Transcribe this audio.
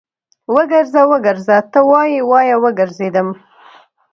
وګرځه، وګرځه ته وايې، وايه وګرځېدم